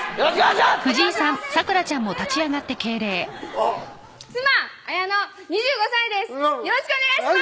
あっ妻・綾乃２５歳です！